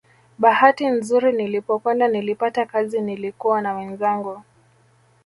Bahati nzuri nilipokwenda nilipata kazi nilikuwa na wenzangu